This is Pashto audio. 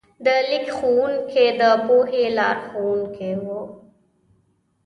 د لیک ښوونکي د پوهې لارښوونکي وو.